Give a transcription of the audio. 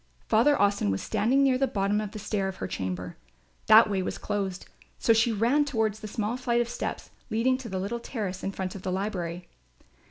Father Austin was still standing near the bottom of the stair to her chamber. That way was closed; so she ran toward the small flight of steps leading to the little terrace in front of the library.